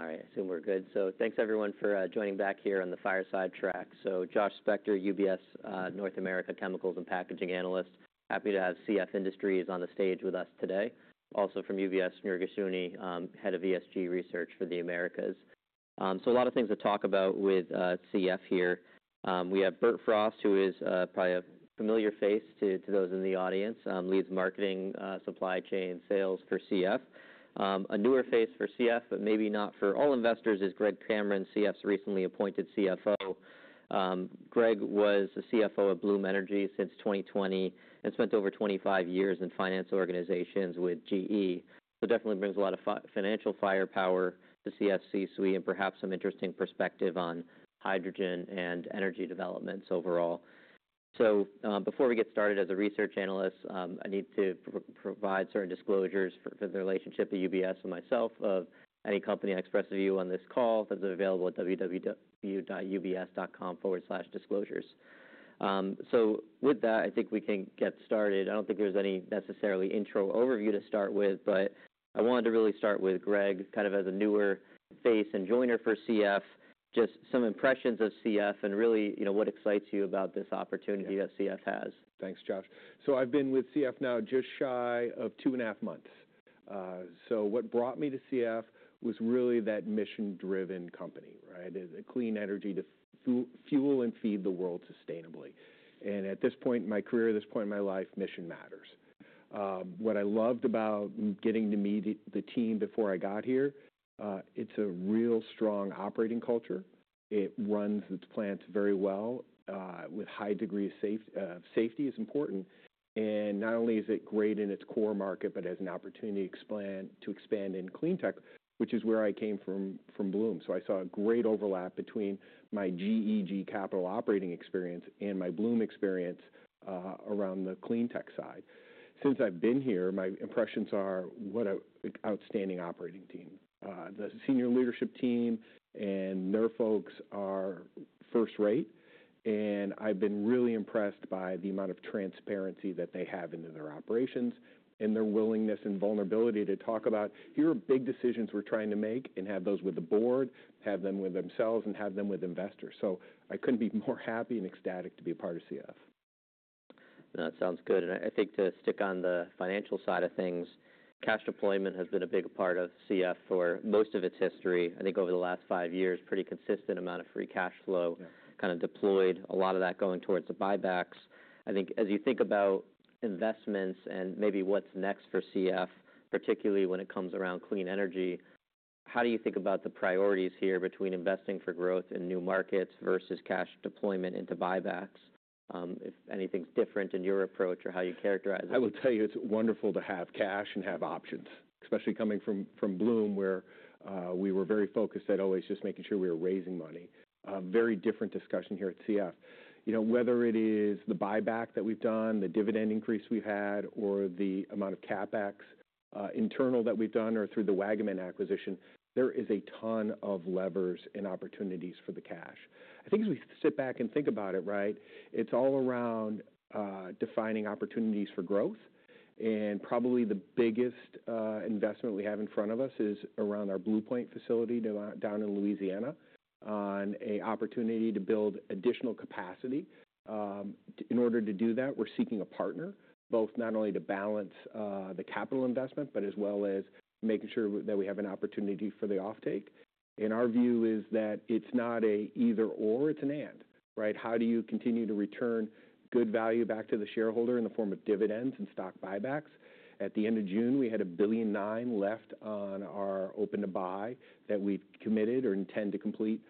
All right, I assume we're good. So thanks everyone for joining back here on the Fireside Track. So Josh Spector, UBS, North America Chemicals and Packaging Analyst. Happy to have CF Industries on the stage with us today. Also from UBS, Shneur Gershuni, Head of ESG Research for the Americas. So a lot of things to talk about with CF here. We have Bert Frost, who is probably a familiar face to those in the audience, leads Marketing, Supply Chain and Sales for CF. A newer face for CF, but maybe not for all investors, is Greg Cameron, CF's recently appointed CFO. Greg was the CFO of Bloom Energy since 2020, and spent over 25 years in finance organizations with GE. So definitely brings a lot of financial firepower to CF C-Suite, and perhaps some interesting perspective on hydrogen and energy developments overall. So, before we get started, as a research analyst, I need to provide certain disclosures for the relationship to UBS and myself of any company I express a view on this call. Those are available at www.ubs.com/disclosures. So with that, I think we can get started. I don't think there's any necessarily intro overview to start with, but I wanted to really start with Greg, kind of as a newer face and joiner for CF, just some impressions of CF and really, you know, what excites you about this opportunity that CF has? Thanks, Josh. So I've been with CF now just shy of two and a half months. So what brought me to CF was really that mission-driven company, right? It's a clean energy to fuel and feed the world sustainably. And at this point in my career, at this point in my life, mission matters. What I loved about getting to meet the team before I got here, it's a real strong operating culture. It runs its plants very well, with high degree of safety is important. And not only is it great in its core market, but has an opportunity to expand in clean tech, which is where I came from, from Bloom. So I saw a great overlap between my GE capital operating experience and my Bloom experience, around the clean tech side. Since I've been here, my impressions are, what an outstanding operating team. The senior leadership team and their folks are first rate, and I've been really impressed by the amount of transparency that they have into their operations, and their willingness and vulnerability to talk about, "Here are big decisions we're trying to make," and have those with the board, have them with themselves, and have them with investors. So I couldn't be more happy and ecstatic to be a part of CF. That sounds good. And I, I think to stick on the financial side of things, cash deployment has been a big part of CF for most of its history. I think over the last five years, pretty consistent amount of free cash flow- Yeah kind of deployed, a lot of that going towards the buybacks. I think as you think about investments and maybe what's next for CF, particularly when it comes around clean energy, how do you think about the priorities here between investing for growth in new markets versus cash deployment into buybacks? If anything's different in your approach or how you characterize it. I will tell you, it's wonderful to have cash and have options, especially coming from Bloom, where we were very focused at always just making sure we were raising money. A very different discussion here at CF. You know, whether it is the buyback that we've done, the dividend increase we've had, or the amount of CapEx internal that we've done, or through the Waggaman acquisition, there is a ton of levers and opportunities for the cash. I think as we sit back and think about it, right, it's all around defining opportunities for growth, and probably the biggest investment we have in front of us is around our Blue Point facility down in Louisiana, on a opportunity to build additional capacity. In order to do that, we're seeking a partner, both not only to balance the capital investment, but as well as making sure that we have an opportunity for the offtake. And our view is that it's not a either/or, it's an and, right? How do you continue to return good value back to the shareholder in the form of dividends and stock buybacks? At the end of June, we had $1.9 billion left on our open to buy, that we've committed or intend to complete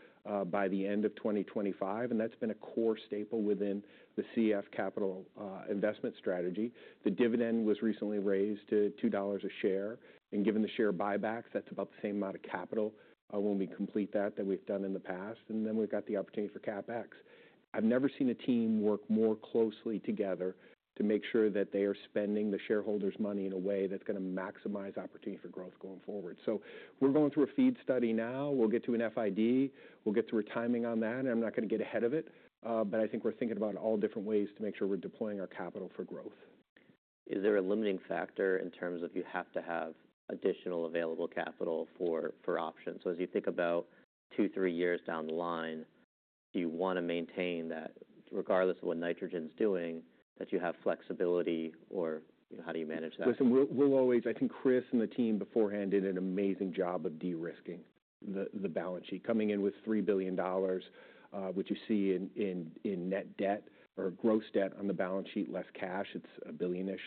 by the end of 2025, and that's been a core staple within the CF capital investment strategy. The dividend was recently raised to $2 a share, and given the share buybacks, that's about the same amount of capital, when we complete that, that we've done in the past, and then we've got the opportunity for CapEx. I've never seen a team work more closely together to make sure that they are spending the shareholders' money in a way that's gonna maximize opportunity for growth going forward. So we're going through a FEED study now. We'll get to an FID. We'll get through a timing on that, I'm not gonna get ahead of it, but I think we're thinking about all different ways to make sure we're deploying our capital for growth. Is there a limiting factor in terms of you have to have additional available capital for options? So as you think about two, three years down the line, do you wanna maintain that, regardless of what nitrogen's doing, that you have flexibility, or, you know, how do you manage that? Listen, we'll always. I think Chris and the team beforehand did an amazing job of de-risking the balance sheet. Coming in with $3 billion, which you see in net debt or gross debt on the balance sheet, less cash, it's $1 billion-ish.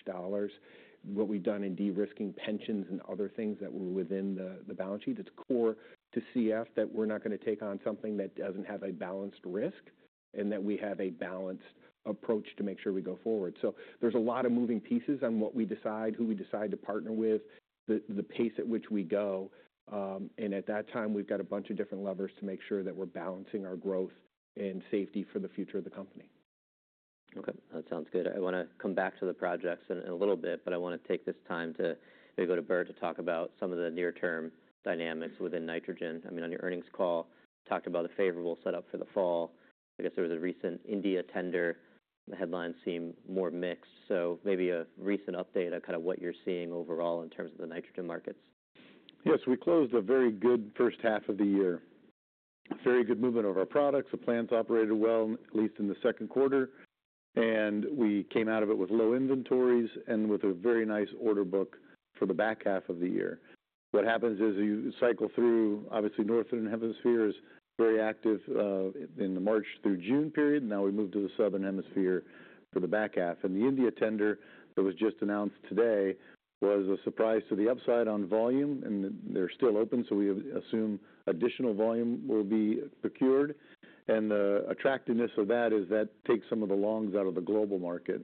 What we've done in de-risking pensions and other things that were within the balance sheet, it's core to CF that we're not gonna take on something that doesn't have a balanced risk, and that we have a balanced approach to make sure we go forward. So there's a lot of moving pieces on what we decide, who we decide to partner with, the pace at which we go, and at that time, we've got a bunch of different levers to make sure that we're balancing our growth and safety for the future of the company. Okay, that sounds good. I wanna come back to the projects in a little bit, but I wanna take this time to maybe go to Bert to talk about some of the near-term dynamics within nitrogen. I mean, on your earnings call, you talked about a favorable setup for the fall. I guess there was a recent India tender. The headlines seem more mixed, so maybe a recent update on kind of what you're seeing overall in terms of the nitrogen markets. Yes, we closed a very good first half of the year. Very good movement of our products. The plants operated well, at least in the second quarter, and we came out of it with low inventories and with a very nice order book for the back half of the year. What happens is you cycle through. Obviously, the Northern Hemisphere is very active in the March through June period. Now we move to the Southern Hemisphere for the back half. The India tender that was just announced today was a surprise to the upside on volume, and they're still open, so we assume additional volume will be procured. The attractiveness of that is that takes some of the longs out of the global market.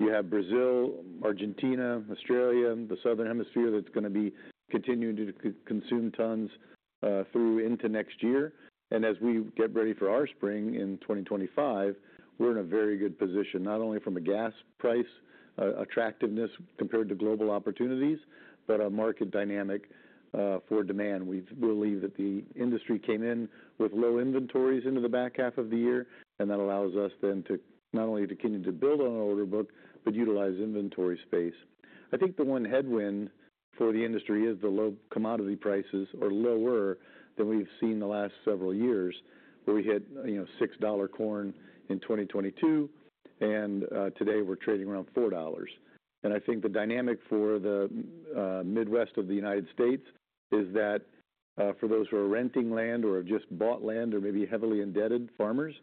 You have Brazil, Argentina, Australia, the Southern Hemisphere. That's gonna be continuing to consume tons through into next year. As we get ready for our spring in 2025, we're in a very good position, not only from a gas price attractiveness compared to global opportunities, but a market dynamic for demand. We believe that the industry came in with low inventories into the back half of the year, and that allows us then to not only continue to build on our order book, but utilize inventory space. I think the one headwind for the industry is the low commodity prices are lower than we've seen the last several years, where we had, you know, $6 corn in 2022, and today we're trading around $4. I think the dynamic for the Midwest of the United States is that for those who are renting land or have just bought land or maybe heavily indebted farmers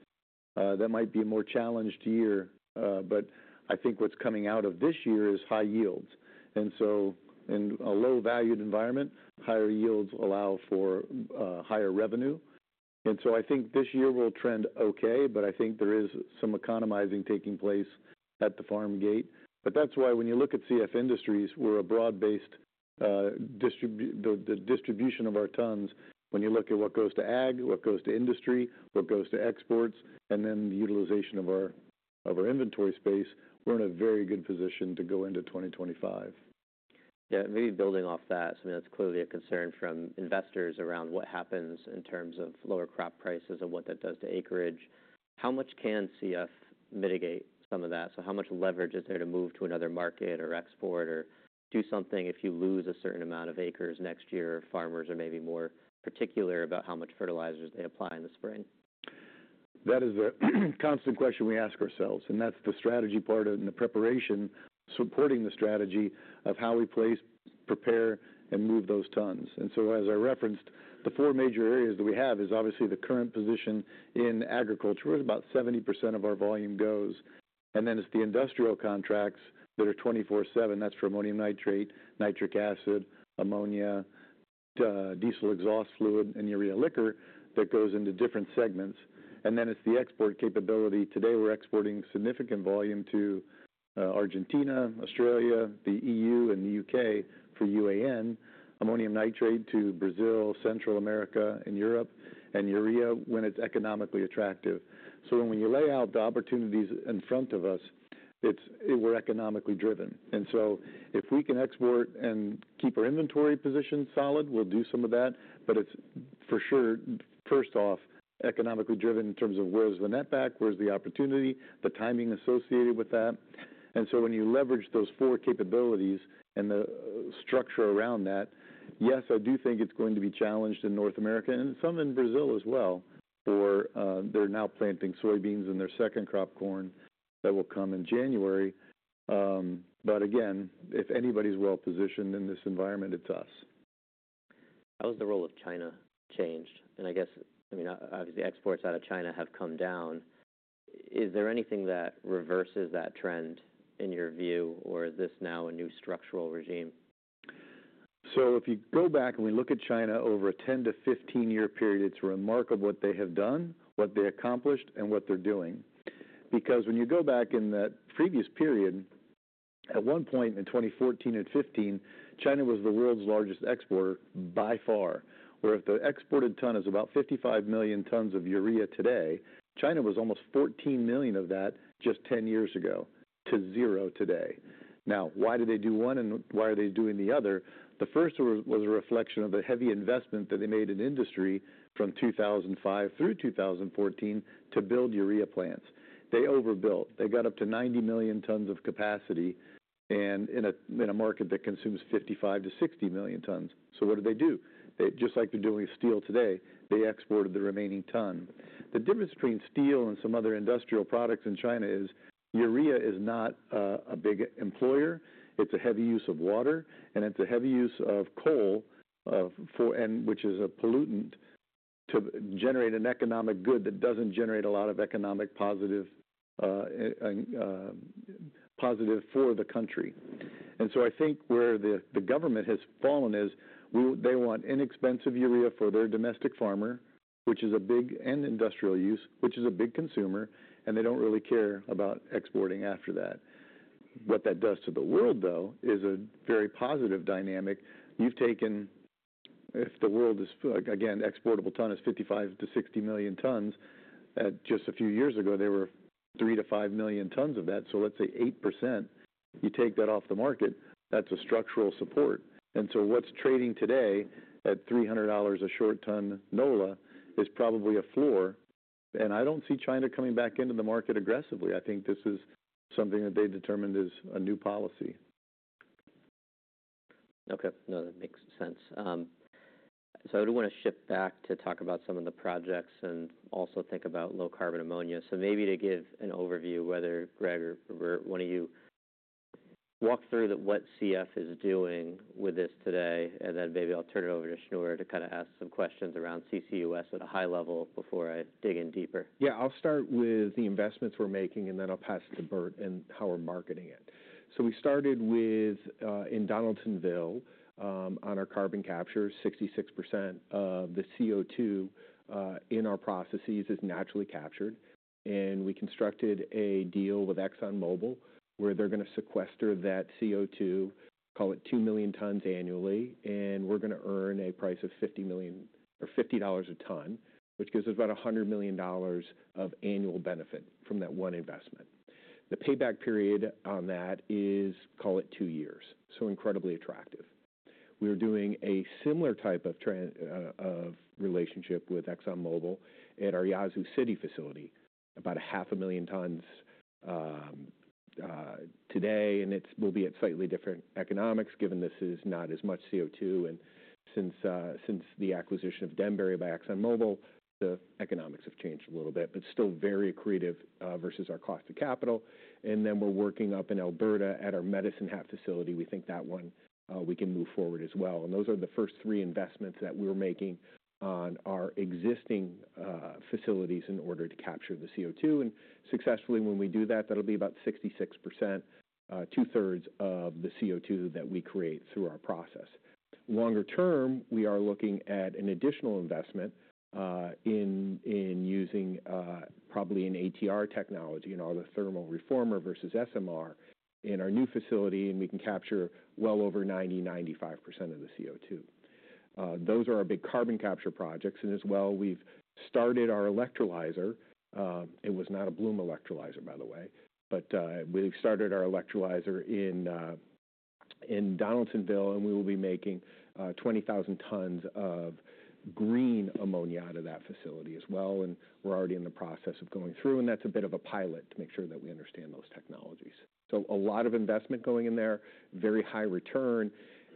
that might be a more challenged year. But I think what's coming out of this year is high yields. In a low valued environment, higher yields allow for higher revenue. This year will trend okay, but I think there is some economizing taking place at the farm gate. That's why when you look at CF Industries, we're a broad-based distribution of our tons. When you look at what goes to ag, what goes to industry, what goes to exports, and then the utilization of our inventory space, we're in a very good position to go into 2025. Yeah, maybe building off that, I mean, that's clearly a concern from investors around what happens in terms of lower crop prices and what that does to acreage. How much can CF mitigate some of that? So how much leverage is there to move to another market or export or do something if you lose a certain amount of acres next year, or farmers are maybe more particular about how much fertilizers they apply in the spring? That is the constant question we ask ourselves, and that's the strategy part and the preparation, supporting the strategy of how we place, prepare, and move those tons. And so, as I referenced, the four major areas that we have is obviously the current position in agriculture, where about 70% of our volume goes. And then it's the industrial contracts that are 24/7. That's for ammonium nitrate, nitric acid, ammonia, diesel exhaust fluid, and urea liquor that goes into different segments. And then it's the export capability. Today, we're exporting significant volume to Argentina, Australia, the EU, and the UK for UAN, ammonium nitrate to Brazil, Central America, and Europe, and urea, when it's economically attractive. So when you lay out the opportunities in front of us, it's, we're economically driven. And so if we can export and keep our inventory position solid, we'll do some of that. But it's, for sure, first off, economically driven in terms of where's the net back, where's the opportunity, the timing associated with that. And so when you leverage those four capabilities and the structure around that, yes, I do think it's going to be challenged in North America and some in Brazil as well, or they're now planting soybeans and their second crop corn that will come in January. But again, if anybody's well-positioned in this environment, it's us. How has the role of China changed? And I guess, I mean, obviously, exports out of China have come down. Is there anything that reverses that trend in your view, or is this now a new structural regime? If you go back and we look at China over a 10- to 15-year period, it's remarkable what they have done, what they accomplished, and what they're doing. Because when you go back in that previous period, at one point in 2014 and 2015, China was the world's largest exporter by far, where if the exported ton is about 55 million tons of urea today, China was almost 14 million of that just 10 years ago, to zero today. Now, why did they do one, and why are they doing the other? The first was a reflection of the heavy investment that they made in industry from 2005 through 2014 to build urea plants. They overbuilt. They got up to 90 million tons of capacity and in a market that consumes 55-60 million tons. So what did they do? They just like they're doing with steel today, they exported the remaining ton. The difference between steel and some other industrial products in China is, urea is not a big employer. It's a heavy use of water, and it's a heavy use of coal, and which is a pollutant, to generate an economic good that doesn't generate a lot of economic positive for the country. And so I think where the government has fallen is, they want inexpensive urea for their domestic farmer, which is a big and industrial use, which is a big consumer, and they don't really care about exporting after that. What that does to the world, though, is a very positive dynamic. You've taken... If the world is, again, exportable ton is 55-60 million tons, just a few years ago, there were 3-5 million tons of that. So let's say 8%, you take that off the market, that's a structural support. And so what's trading today at $300 a short ton, NOLA, is probably a floor, and I don't see China coming back into the market aggressively. I think this is something that they determined is a new policy. Okay. No, that makes sense. So I do want to shift back to talk about some of the projects and also think about low carbon ammonia. So maybe to give an overview, whether Greg or Bert, one of you walk through that what CF is doing with this today, and then maybe I'll turn it over to Schnoor to kind of ask some questions around CCUS at a high level before I dig in deeper. Yeah, I'll start with the investments we're making, and then I'll pass it to Bert and how we're marketing it. So we started with in Donaldsonville on our carbon capture. 66% of the CO2 in our processes is naturally captured, and we constructed a deal with ExxonMobil, where they're going to sequester that CO2, call it 2 million tons annually, and we're going to earn a price of fifty million-- or $50 a ton, which gives us about $100 million of annual benefit from that one investment. The payback period on that is, call it 2 years, so incredibly attractive. We're doing a similar type of relationship with ExxonMobil at our Yazoo City facility, about 500,000 tons today, and it will be at slightly different economics, given this is not as much CO2. Since the acquisition of Denbury by ExxonMobil, the economics have changed a little bit, but still very accretive versus our cost of capital. We're working up in Alberta at our Medicine Hat facility. We think that one, we can move forward as well. Those are the first three investments that we're making on our existing facilities in order to capture the CO2. Successfully, when we do that, that'll be about 66%, two-thirds of the CO2 that we create through our process. Longer term, we are looking at an additional investment in using probably an ATR technology, an autothermal reformer versus SMR, in our new facility, and we can capture well over 90-95% of the CO2. Those are our big carbon capture projects, and as well, we've started our electrolyzer. It was not a Bloom electrolyzer, by the way, but we started our electrolyzer in Donaldsonville, and we will be making 20,000 tons of green ammonia out of that facility as well, and we're already in the process of going through, and that's a bit of a pilot to make sure that we understand those technologies, so a lot of investment going in there, very high return,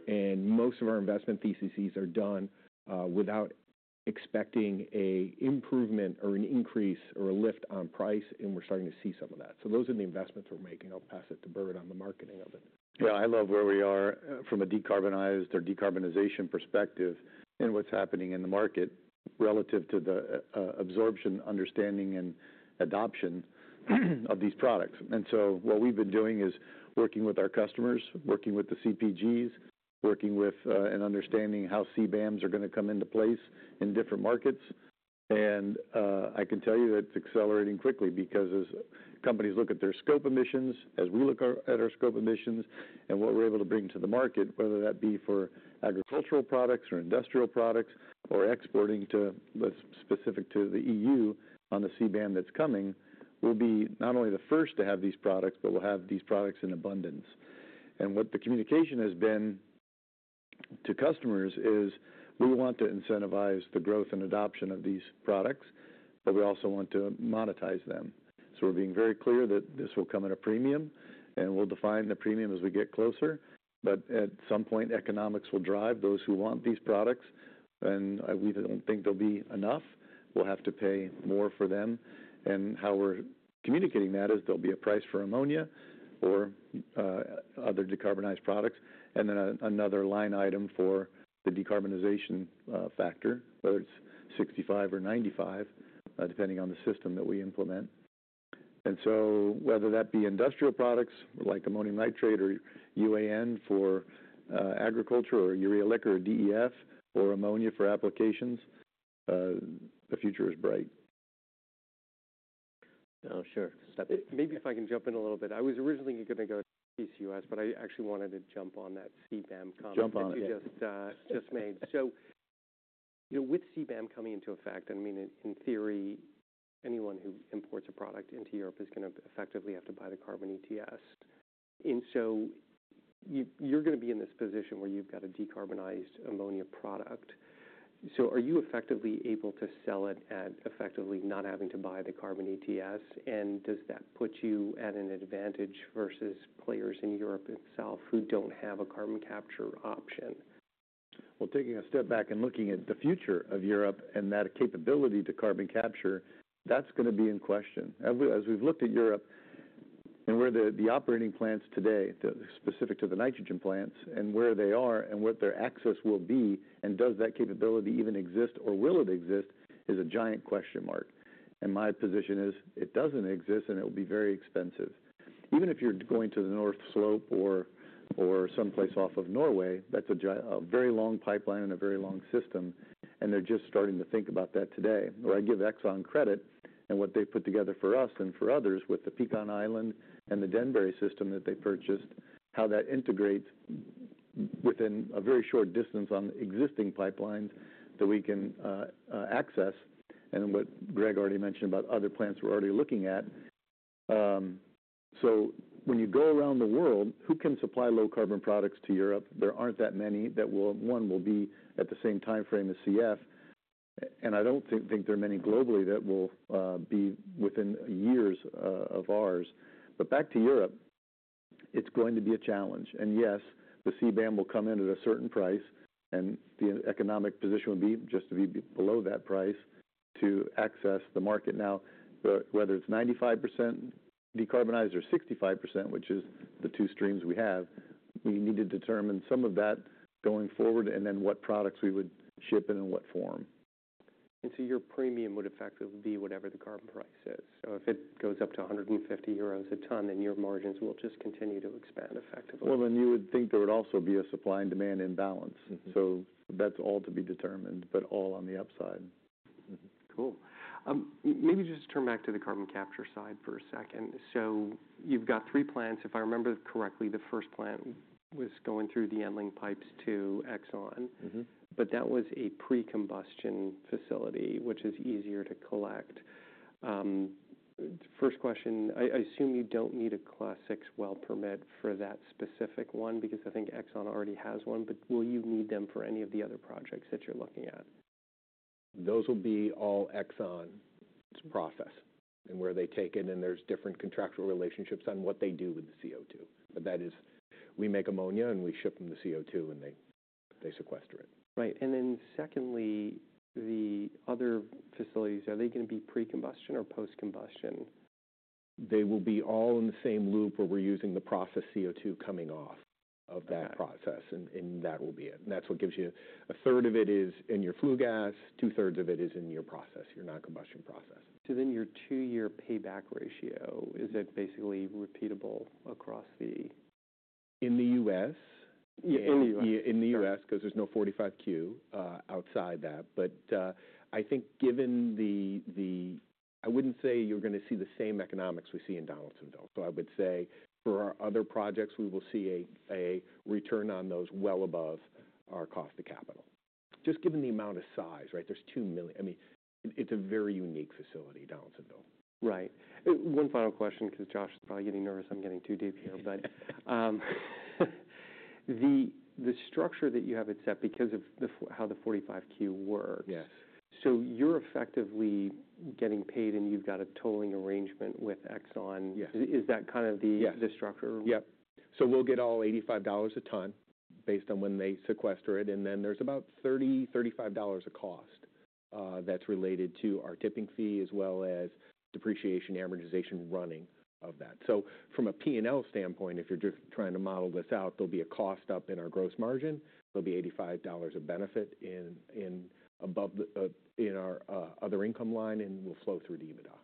and most of our investment theses are done without expecting a improvement, or an increase, or a lift on price, and we're starting to see some of that, so those are the investments we're making. I'll pass it to Bert on the marketing of it. Yeah, I love where we are from a decarbonized or decarbonization perspective and what's happening in the market relative to the absorption, understanding, and adoption of these products. And so what we've been doing is working with our customers, working with the CPGs, working with, and understanding how CBAMs are going to come into place in different markets. And I can tell you that it's accelerating quickly because as companies look at their scope emissions, as we look at our scope emissions and what we're able to bring to the market, whether that be for agricultural products or industrial products or exporting to what's specific to the EU on the CBAM that's coming, we'll be not only the first to have these products, but we'll have these products in abundance. And what the communication has been to customers is, we want to incentivize the growth and adoption of these products, but we also want to monetize them. So we're being very clear that this will come at a premium, and we'll define the premium as we get closer, but at some point, economics will drive those who want these products, and we don't think there'll be enough. We'll have to pay more for them, and how we're communicating that is there'll be a price for ammonia or other decarbonized products, and then another line item for the decarbonization factor, whether it's 65 or 95, depending on the system that we implement. And so whether that be industrial products like ammonium nitrate or UAN for agriculture, or urea liquor, or DEF, or ammonia for applications, the future is bright. Oh, sure. Stop it. Maybe if I can jump in a little bit. I was originally going to go to CCUS, but I actually wanted to jump on that CBAM comment- Jump on, yeah.... you just just made. So, you know, with CBAM coming into effect, I mean, in theory, anyone who imports a product into Europe is going to effectively have to buy the carbon ETS. And so you, you're going to be in this position where you've got a decarbonized ammonia product. So are you effectively able to sell it at effectively not having to buy the carbon ETS? And does that put you at an advantage versus players in Europe itself, who don't have a carbon capture option? Taking a step back and looking at the future of Europe and that capability to carbon capture, that's going to be in question. As we've looked at Europe and where the operating plants today, specifically to the nitrogen plants and where they are and what their access will be, and does that capability even exist or will it exist, is a giant question mark. And my position is, it doesn't exist, and it will be very expensive. Even if you're going to the North Slope or someplace off of Norway, that's a very long pipeline and a very long system, and they're just starting to think about that today. I give Exxon credit and what they've put together for us and for others with the Pecan Island and the Denbury system that they purchased, how that integrates within a very short distance on existing pipelines that we can access, and what Greg already mentioned about other plants we're already looking at. So when you go around the world, who can supply low-carbon products to Europe? There aren't that many that will... One, will be at the same timeframe as CF.... And I don't think there are many globally that will be within years of ours. But back to Europe, it's going to be a challenge. And yes, the CBAM will come in at a certain price, and the economic position will be just to be below that price to access the market. Now, but whether it's 95% decarbonized or 65%, which is the two streams we have, we need to determine some of that going forward, and then what products we would ship and in what form. Your premium would effectively be whatever the carbon price is. If it goes up to 150 euros a ton, then your margins will just continue to expand effectively. Then you would think there would also be a supply and demand imbalance. Mm-hmm. So that's all to be determined, but all on the upside. Cool. Maybe just turn back to the carbon capture side for a second. So you've got three plants. If I remember correctly, the first plant was going through the Endling pipes to Exxon. Mm-hmm. But that was a pre-combustion facility, which is easier to collect. First question, I assume you don't need a Class VI well permit for that specific one, because I think Exxon already has one, but will you need them for any of the other projects that you're looking at? Those will be all ExxonMobil's process and where they take it, and there's different contractual relationships on what they do with the CO2. But that is, we make ammonia, and we ship them the CO2, and they sequester it. Right. And then secondly, the other facilities, are they going to be pre-combustion or post-combustion? They will be all in the same loop, where we're using the process CO2 coming off of that. Okay... process, and that will be it, and that's what gives you... A third of it is in your flue gas, two-thirds of it is in your process, your non-combustion process. So then, your two-year payback ratio, is it basically repeatable across the- In the U.S.? Mm-hmm. In the U.S.- Sorry... 'cause there's no 45Q outside that. But I think given the I wouldn't say you're gonna see the same economics we see in Donaldsonville. So I would say for our other projects, we will see a return on those well above our cost to capital. Just given the amount of size, right? There's two million... I mean, it's a very unique facility, Donaldsonville. Right. One final question, because Josh is probably getting nervous I'm getting too deep here. But, the structure that you have it set because of how the 45Q works- Yes... so you're effectively getting paid, and you've got a tolling arrangement with Exxon. Yes. Is that kind of the- Yes... the structure? Yep. So we'll get all $85 a ton based on when they sequester it, and then there's about $30-$35 a cost that's related to our tipping fee, as well as depreciation, amortization, running of that. So from a P&L standpoint, if you're just trying to model this out, there'll be a cost up in our gross margin. There'll be $85 of benefit in above the in our other income line, and will flow through to EBITDA.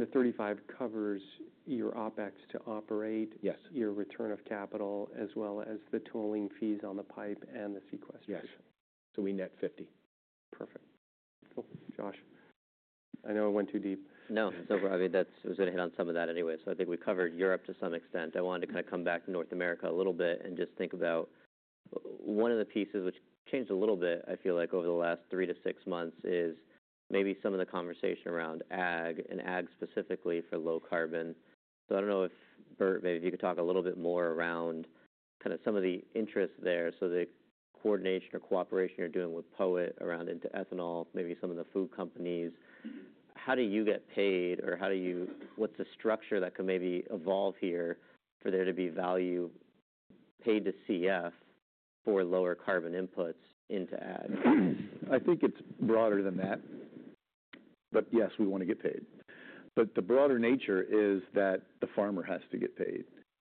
The 35 covers your OpEx to operate- Yes... your return of capital, as well as the tolling fees on the pipe and the sequestration? Yes. So we net $50. Perfect. Cool. Josh, I know I went too deep. No, so Shneur, that's. I was going to hit on some of that anyway, so I think we covered Europe to some extent. I wanted to kind of come back to North America a little bit and just think about one of the pieces which changed a little bit, I feel like over the last three to six months, is maybe some of the conversation around ag, and ag specifically for low carbon. So I don't know if, Bert, maybe if you could talk a little bit more around kind of some of the interests there, so the coordination or cooperation you're doing with POET around into ethanol, maybe some of the food companies. How do you get paid, or how do you... what's the structure that could maybe evolve here for there to be value paid to CF for lower carbon inputs into ag? I think it's broader than that, but yes, we want to get paid. But the broader nature is that the farmer has to get paid.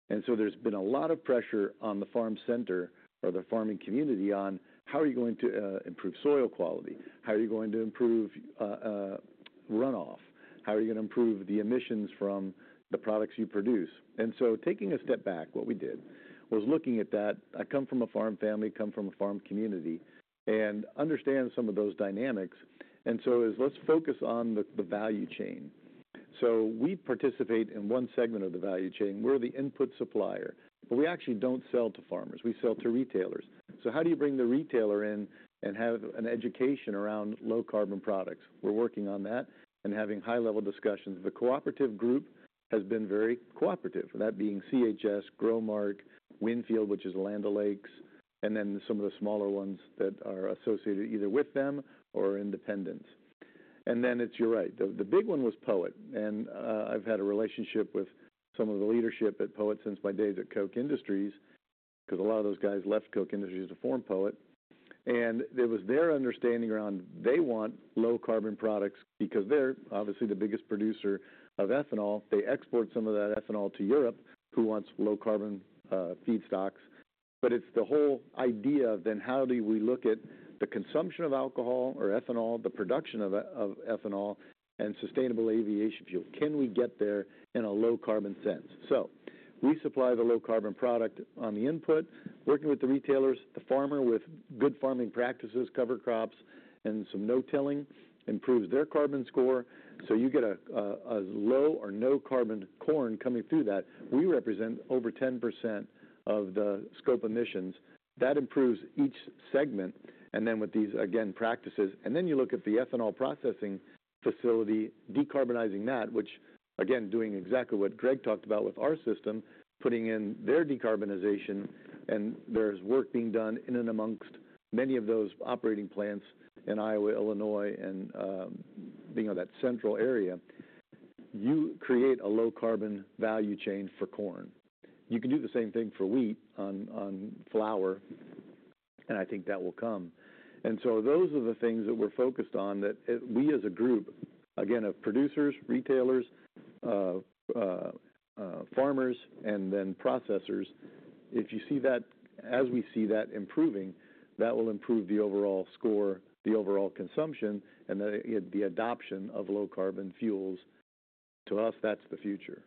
And so there's been a lot of pressure on the farm sector or the farming community on: How are you going to improve soil quality? How are you going to improve runoff? How are you going to improve the emissions from the products you produce? And so taking a step back, what we did was looking at that. I come from a farm family, come from a farm community, and understand some of those dynamics. And so it's, let's focus on the value chain. So we participate in one segment of the value chain. We're the input supplier, but we actually don't sell to farmers. We sell to retailers. So how do you bring the retailer in and have an education around low-carbon products? We're working on that and having high-level discussions. The cooperative group has been very cooperative, and that being CHS, Growmark, WinField, which is Land O'Lakes, and then some of the smaller ones that are associated either with them or are independent. And then it's. You're right. The big one was Poet, and I've had a relationship with some of the leadership at Poet since my days at Koch Industries, because a lot of those guys left Koch Industries to form Poet. And it was their understanding around they want low-carbon products because they're obviously the biggest producer of ethanol. They export some of that ethanol to Europe, who wants low-carbon feedstocks. But it's the whole idea of then how do we look at the consumption of alcohol or ethanol, the production of of ethanol, and sustainable aviation fuel? Can we get there in a low-carbon sense? So we supply the low-carbon product on the input, working with the retailers, the farmer with good farming practices, cover crops, and some no-tilling improves their carbon score. So you get a low or no carbon corn coming through that. We represent over 10% of the scope emissions. That improves each segment, and then with these, again, practices. And then you look at the ethanol processing facility, decarbonizing that, which again, doing exactly what Greg talked about with our system, putting in their decarbonization, and there's work being done in and amongst many of those operating plants in Iowa, Illinois, and being in that central area. You create a low carbon value chain for corn. You can do the same thing for wheat on flour, and I think that will come. And so those are the things that we're focused on, that we as a group, again, of producers, retailers, farmers, and then processors. If you see that, as we see that improving, that will improve the overall score, the overall consumption, and then the adoption of low carbon fuels. To us, that's the future.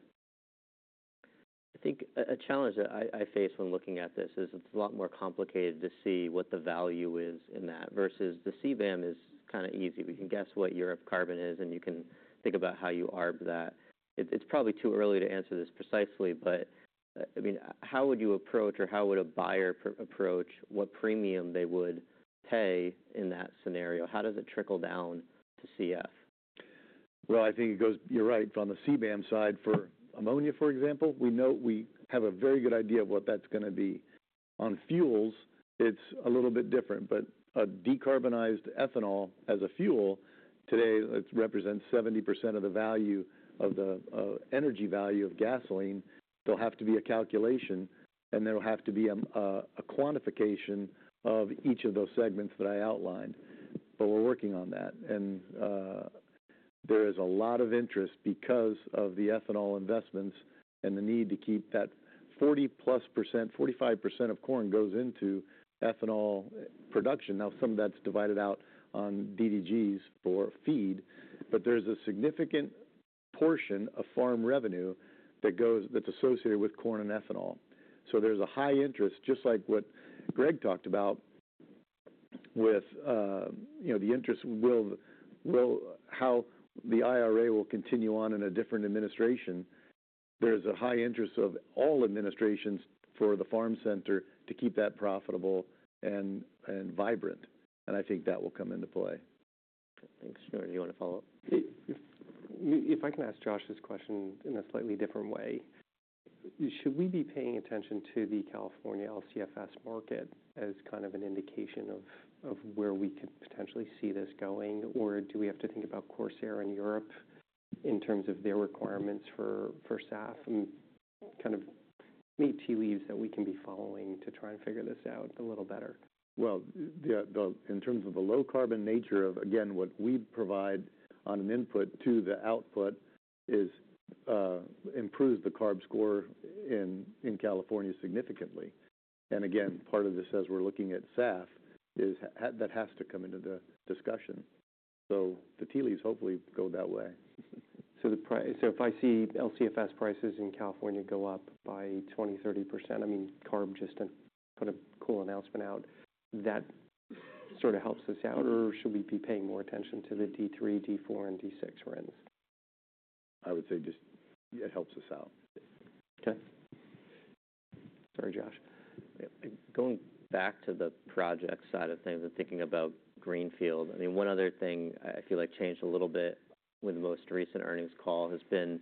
I think a challenge that I face when looking at this is it's a lot more complicated to see what the value is in that, versus the CBAM is kind of easy. We can guess what your carbon is, and you can think about how you arb that. It's probably too early to answer this precisely, but I mean, how would you approach or how would a buyer approach what premium they would pay in that scenario? How does it trickle down to CF? I think it goes. You're right. On the CBAM side, for ammonia, for example, we know we have a very good idea of what that's gonna be. On fuels, it's a little bit different, but a decarbonized ethanol as a fuel, today it represents 70% of the value of the energy value of gasoline. There'll have to be a calculation, and there will have to be a quantification of each of those segments that I outlined. But we're working on that, and there is a lot of interest because of the ethanol investments and the need to keep that 40-plus percent, 45% of corn goes into ethanol production. Now, some of that's divided out on DDGs for feed, but there's a significant portion of farm revenue that goes, that's associated with corn and ethanol. There's a high interest, just like what Greg talked about, with, you know, the interest will how the IRA will continue on in a different administration. There's a high interest of all administrations for the farm sector to keep that profitable and vibrant. I think that will come into play. Thanks, Shneur do you want to follow up? If I can ask Josh this question in a slightly different way. Should we be paying attention to the California LCFS market as kind of an indication of where we could potentially see this going? Or do we have to think about CORSIA in Europe in terms of their requirements for SAF and kind of any tea leaves that we can be following to try and figure this out a little better? In terms of the low carbon nature of, again, what we provide on an input to the output is improves the CI score in California significantly. And again, part of this, as we're looking at SAF, is that has to come into the discussion. The tea leaves hopefully go that way. If I see LCFS prices in California go up by 20%-30%, I mean, CARB just put a cool announcement out, that sort of helps us out, or should we be paying more attention to the D3, D4, and D6 RINs? I would say just it helps us out. Okay. Sorry, Josh. Going back to the project side of things and thinking about Greenfield, I mean, one other thing I feel like changed a little bit with the most recent earnings call has been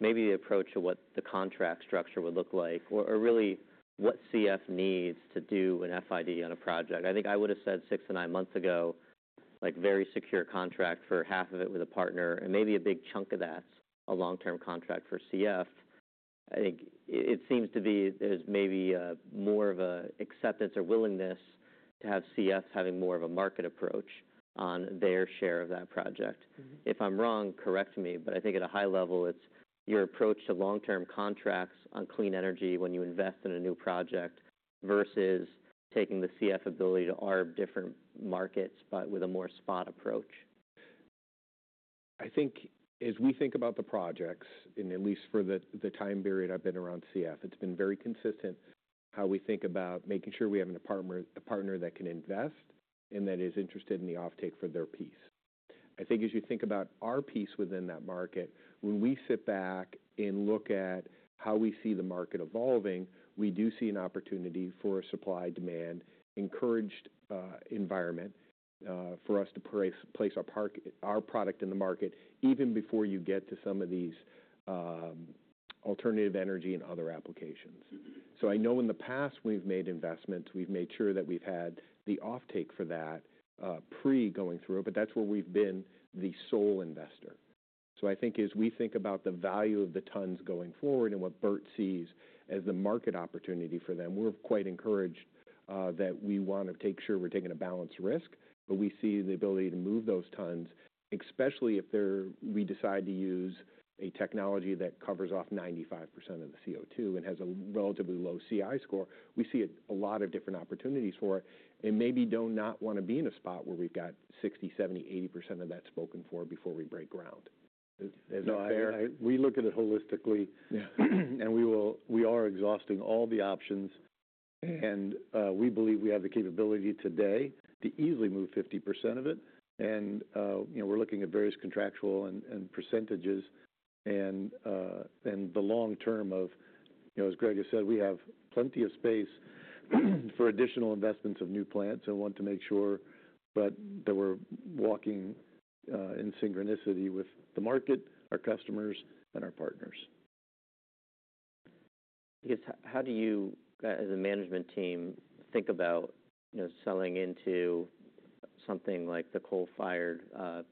maybe the approach of what the contract structure would look like, or really what CF needs to do an FID on a project. I think I would have said six-to-nine months ago, like, very secure contract for half of it with a partner and maybe a big chunk of that, a long-term contract for CF. I think it seems to be as maybe more of a acceptance or willingness to have CF having more of a market approach on their share of that project. Mm-hmm. If I'm wrong, correct me, but I think at a high level, it's your approach to long-term contracts on clean energy when you invest in a new project, versus taking the CF ability to arb different markets, but with a more spot approach. I think as we think about the projects, and at least for the time period I've been around CF, it's been very consistent how we think about making sure we have a partner that can invest and that is interested in the offtake for their piece. I think as you think about our piece within that market, when we sit back and look at how we see the market evolving, we do see an opportunity for a supply/demand encouraged environment for us to place our product in the market, even before you get to some of these alternative energy and other applications. Mm-hmm. So I know in the past, we've made investments, we've made sure that we've had the offtake for that, pre-going through it, but that's where we've been the sole investor. I think as we think about the value of the tons going forward and what Bert sees as the market opportunity for them, we're quite encouraged that we want to make sure we're taking a balanced risk, but we see the ability to move those tons, especially if they're, we decide to use a technology that covers off 95% of the CO2 and has a relatively low CI score. We see a lot of different opportunities for it and maybe do not want to be in a spot where we've got 60%, 70%, 80% of that spoken for before we break ground. Is that fair? No, I... We look at it holistically. Yeah. We are exhausting all the options, and we believe we have the capability today to easily move 50% of it, and you know, we're looking at various contractual and percentages, and the long term of, you know, as Greg has said, we have plenty of space for additional investments of new plants and want to make sure, but that we're walking in synchronicity with the market, our customers, and our partners. Because how do you, as a management team, think about, you know, selling into something like the coal-fired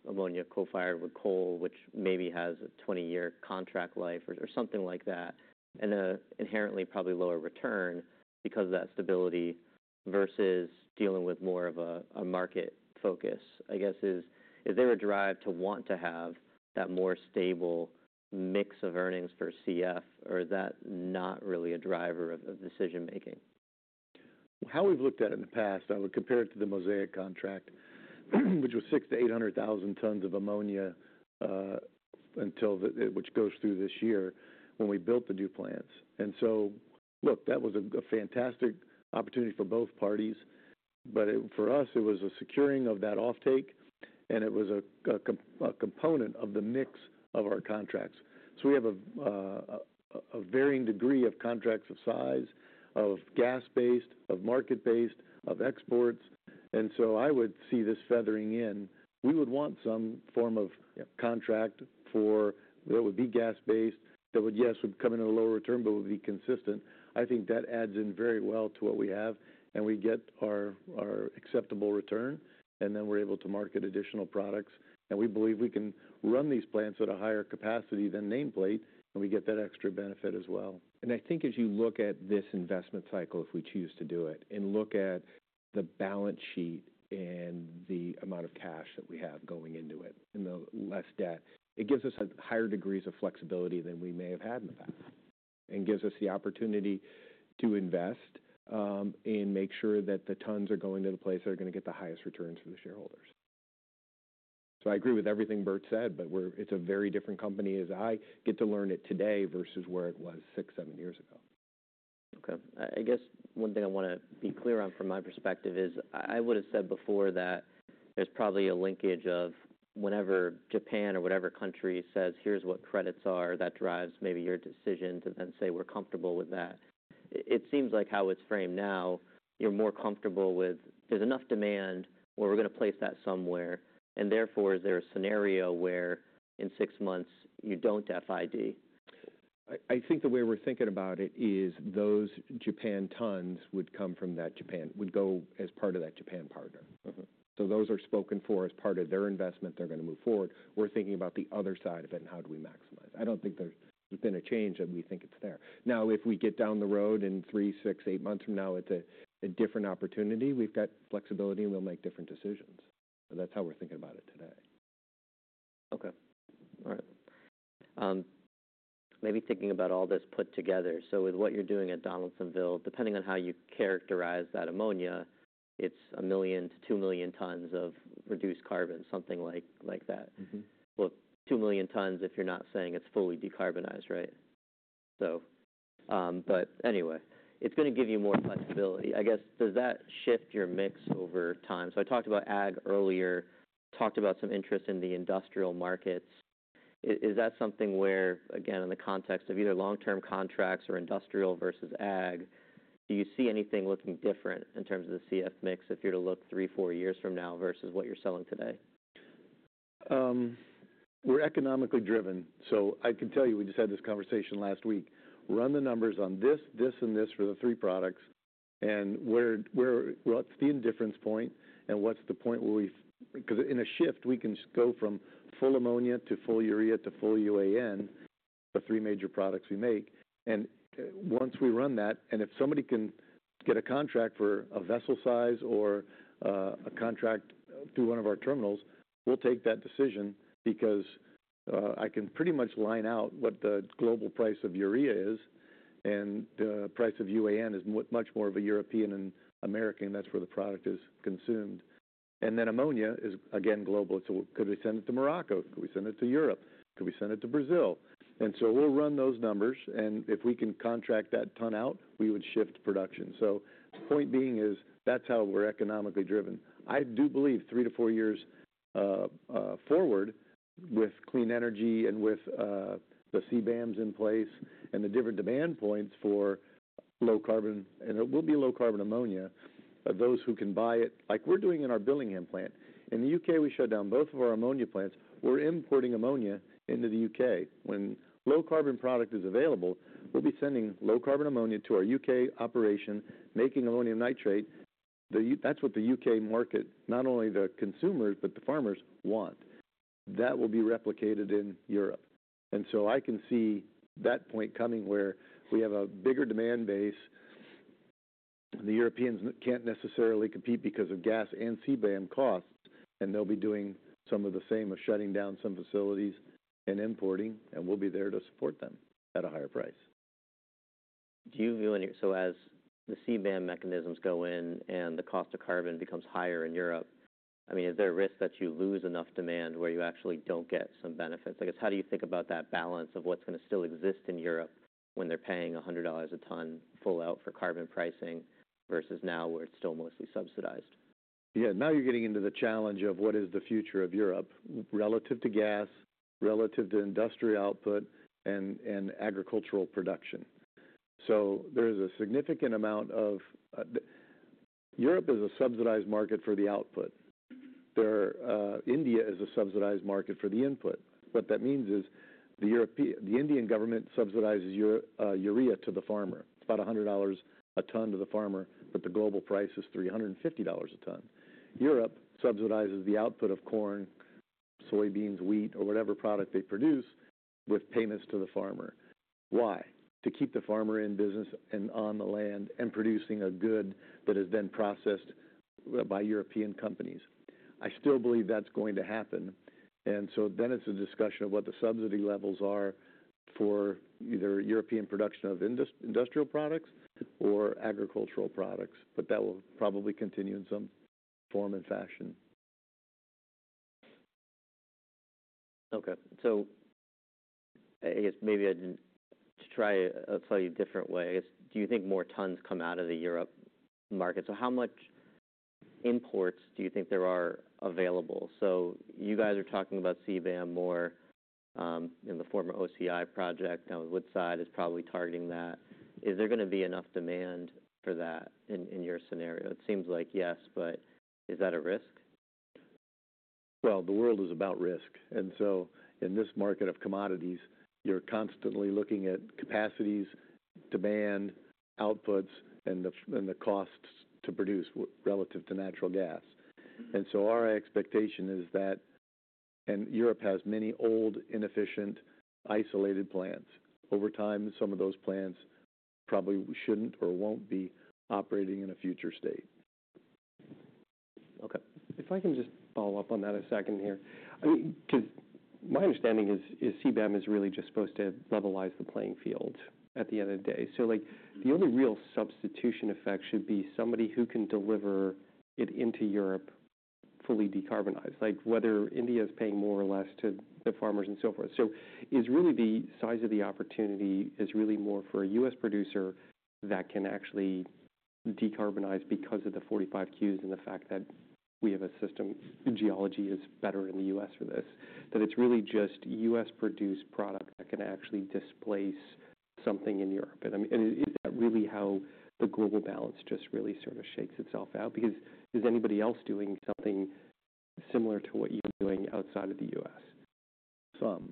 ammonia coal-fired with coal, which maybe has a twenty-year contract life or something like that, and an inherently probably lower return because of that stability versus dealing with more of a market focus? I guess, is there a drive to want to have that more stable mix of earnings for CF, or is that not really a driver of decision making? How we've looked at it in the past, I would compare it to the Mosaic contract, which was 600,000-800,000 tons of ammonia until which goes through this year, when we built the new plants. And so, look, that was a fantastic opportunity for both parties, but it, for us, it was a securing of that offtake, and it was a component of the mix of our contracts. So we have a varying degree of contracts of size, of gas-based, of market-based, of exports, and so I would see this feathering in. We would want some form of contract for what would be gas-based. That would, yes, would come in a lower return, but would be consistent. I think that adds in very well to what we have, and we get our acceptable return, and then we're able to market additional products. We believe we can run these plants at a higher capacity than nameplate, and we get that extra benefit as well. I think as you look at this investment cycle, if we choose to do it, and look at the balance sheet and the amount of cash that we have going into it, and the less debt, it gives us a higher degrees of flexibility than we may have had in the past, and gives us the opportunity to invest, and make sure that the tons are going to the place that are gonna get the highest returns for the shareholders. So I agree with everything Bert said, but it's a very different company as I get to learn it today versus where it was six, seven years ago. Okay. I guess one thing I wanna be clear on from my perspective is I would have said before that there's probably a linkage of whenever Japan or whatever country says, "Here's what credits are," that drives maybe your decision to then say, "We're comfortable with that." It seems like how it's framed now, you're more comfortable with, "There's enough demand where we're gonna place that somewhere," and therefore, is there a scenario where in six months you don't FID? I think the way we're thinking about it is those Japan tons would go as part of that Japan partner. Mm-hmm. So those are spoken for as part of their investment. They're gonna move forward. We're thinking about the other side of it and how do we maximize. I don't think there's been a change, and we think it's there. Now, if we get down the road in three, six, eight months from now, it's a different opportunity. We've got flexibility, and we'll make different decisions. But that's how we're thinking about it today. Maybe thinking about all this put together, so with what you're doing at Donaldsonville, depending on how you characterize that ammonia, it's 1 million to 2 million tons of reduced carbon, something like that. Mm-hmm. Two million tons, if you're not saying it's fully decarbonized, right? So, but anyway, it's gonna give you more flexibility. I guess, does that shift your mix over time? So I talked about ag earlier, talked about some interest in the industrial markets. Is that something where, again, in the context of either long-term contracts or industrial versus ag, do you see anything looking different in terms of the CF mix if you were to look three, four years from now versus what you're selling today? We're economically driven, so I can tell you, we just had this conversation last week. Run the numbers on this, this, and this for the three products, and where, what's the indifference point, and what's the point where we... 'Cause in a shift, we can just go from full ammonia to full urea to full UAN, the three major products we make. And once we run that, and if somebody can get a contract for a vessel size or a contract through one of our terminals, we'll take that decision because I can pretty much line out what the global price of urea is, and the price of UAN is much more of a European and American. That's where the product is consumed. And then ammonia is, again, global, so could we send it to Morocco? Could we send it to Europe? Could we send it to Brazil? And so we'll run those numbers, and if we can contract that ton out, we would shift production. So the point being is, that's how we're economically driven. I do believe three to four years forward with clean energy and with the CBAMs in place and the different demand points for low carbon, and it will be low carbon ammonia, those who can buy it, like we're doing in our Billingham plant. In the U.K., we shut down both of our ammonia plants. We're importing ammonia into the U.K. When low-carbon product is available, we'll be sending low-carbon ammonia to our U.K. operation, making ammonium nitrate. That's what the U.K. market, not only the consumers, but the farmers want. That will be replicated in Europe, and so I can see that point coming where we have a bigger demand base. The Europeans can't necessarily compete because of gas and CBAM costs, and they'll be doing some of the same, of shutting down some facilities and importing, and we'll be there to support them at a higher price. So as the CBAM mechanisms go in and the cost of carbon becomes higher in Europe, I mean, is there a risk that you lose enough demand where you actually don't get some benefits? I guess, how do you think about that balance of what's gonna still exist in Europe when they're paying $100 a ton full out for carbon pricing versus now, where it's still mostly subsidized? Yeah, now you're getting into the challenge of what is the future of Europe relative to gas, relative to industrial output and, and agricultural production. So there is a significant amount of Europe is a subsidized market for the output. There, India is a subsidized market for the input. What that means is the European government subsidizes urea to the farmer. It's about $100 a ton to the farmer, but the global price is $350 a ton. Europe subsidizes the output of corn, soybeans, wheat, or whatever product they produce, with payments to the farmer. Why? To keep the farmer in business and on the land and producing a good that is then processed by European companies. I still believe that's going to happen, and so then it's a discussion of what the subsidy levels are for either European production of industrial products or agricultural products, but that will probably continue in some form and fashion. To try a slightly different way, I guess, do you think more tons come out of the Europe market? So how much imports do you think there are available? So you guys are talking about CBAM more, in the former OCI project, and Woodside is probably targeting that. Is there going to be enough demand for that in your scenario? It seems like yes, but is that a risk? The world is about risk, and so in this market of commodities, you're constantly looking at capacities, demand, outputs, and the costs to produce with relative to natural gas. Our expectation is that Europe has many old, inefficient, isolated plants. Over time, some of those plants probably shouldn't or won't be operating in a future state. Okay. If I can just follow up on that a second here, I mean, 'cause my understanding is CBAM is really just supposed to levelize the playing field at the end of the day. So, like, the only real substitution effect should be somebody who can deliver it into Europe, fully decarbonized, like whether India is paying more or less to the farmers and so forth. So is really the size of the opportunity is really more for a U.S. producer that can actually decarbonize because of the 45Qs and the fact that we have a system, geology is better in the U.S. for this, that it's really just U.S.-produced product that can actually displace something in Europe? And, I mean, and is that really how the global balance just really sort of shakes itself out? Because is anybody else doing something similar to what you're doing outside of the US? Some,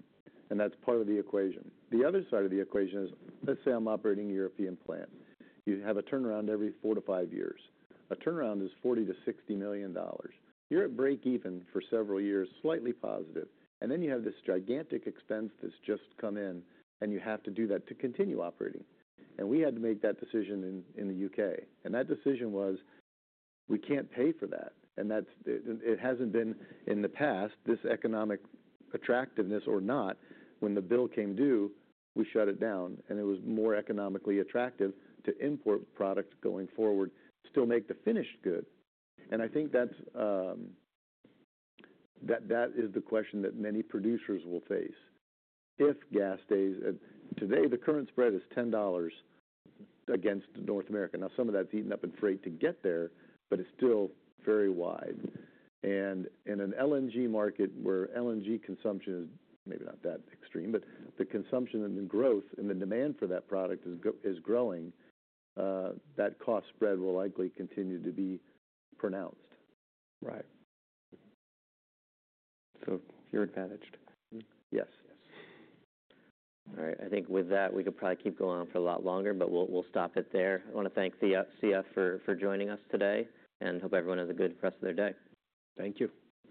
and that's part of the equation. The other side of the equation is, let's say I'm operating a European plant. You have a turnaround every four to five years. A turnaround is $40 million-$60 million. You're at break even for several years, slightly positive, and then you have this gigantic expense that's just come in, and you have to do that to continue operating. We had to make that decision in the U.K., and that decision was: we can't pay for that. That's it hasn't been in the past, this economic attractiveness or not, when the bill came due, we shut it down, and it was more economically attractive to import products going forward, still make the finished good. I think that's that is the question that many producers will face. If gas stays. Today, the current spread is $10 against North America. Now, some of that's eaten up in freight to get there, but it's still very wide. In an LNG market, where LNG consumption is maybe not that extreme, but the consumption and the growth and the demand for that product is growing, that cost spread will likely continue to be pronounced. Right. So you're advantaged? Yes. Yes. All right. I think with that, we could probably keep going on for a lot longer, but we'll stop it there. I want to thank CF for joining us today, and hope everyone has a good rest of their day. Thank you.